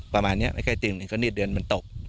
ประมาณเนี้ยไม่ใกล้จริงก็นิดเดือนมันตก